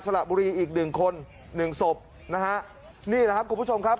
ละบุรีอีกหนึ่งคนหนึ่งศพนะฮะนี่แหละครับคุณผู้ชมครับ